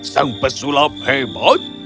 sang pesulap hebat